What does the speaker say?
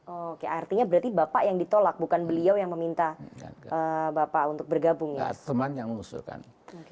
oke artinya berarti bapak yang ditolak bukan beliau yang meminta bapak untuk bergabung ya mengusulkan